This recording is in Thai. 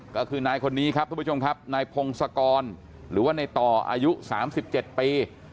ก็คือนายคนนี้ครับทุกผู้ชมครับนายพงศกรหรือว่าในต่ออายุ๓๗ปี